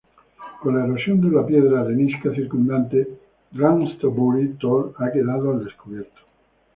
Con la erosión de la piedra arenisca circundante, Glastonbury Tor ha quedado al descubierto.